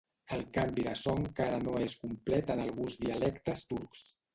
El canvi de so encara no és complet en alguns dialectes turcs.